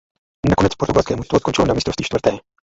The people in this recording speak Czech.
Nakonec portugalské mužstvo skončilo na mistrovství čtvrté.